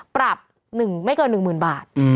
ปรับไม่เกิน๑หมื่นบาท